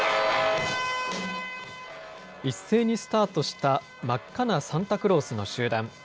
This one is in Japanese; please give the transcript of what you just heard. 一斉にスタートした真っ赤なサンタクロースの集団。